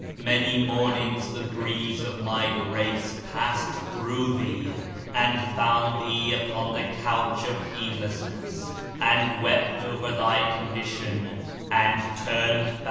Many mornings the Breeze of My Grace passed through thee, and found thee upon the couch of heedlessness, and wept over thy condition, and turned back.